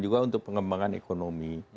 juga untuk pengembangan ekonomi